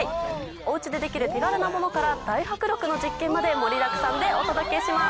お家でできる手軽なものから大迫力の実験まで盛りだくさんでお届けします。